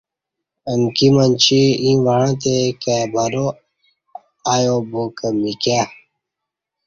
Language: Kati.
امکی منچی ییں وعݩتی کائ بلا ایا با کہ مکیہ